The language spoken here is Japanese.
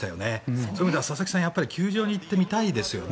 そういう意味では佐々木さん球場に行ってみたいですよね。